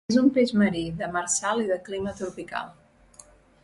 És un peix marí, demersal i de clima tropical.